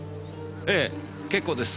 ええ結構です。